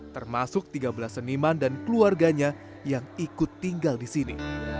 termasuk tiga belas seniman dan keluarganya yang ikut tinggal di sini